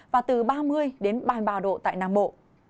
và từ ba mươi đến ba mươi ba độ tại nam bộ